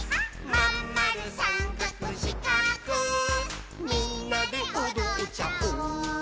「まんまるさんかくしかくみんなでおどっちゃおう」